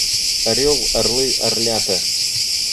Орёл, орлы, орлята.